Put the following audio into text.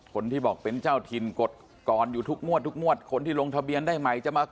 คนที่บอกเป็นเจ้าทินกดกรอนอยู่ทุกมวดใครที่ลงทะเบียนได้ไหมจะมากรอน